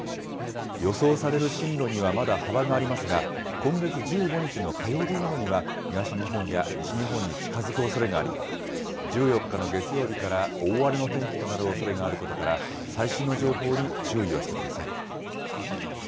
予想される進路には、まだ幅がありますが、今月１５日の火曜日ごろには、東日本や西日本に近づくおそれがあり、１４日の月曜日から大荒れの天気となるおそれがあることから、最新の情報に注意をしてください。